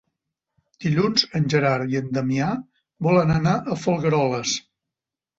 Dilluns en Gerard i en Damià volen anar a Folgueroles.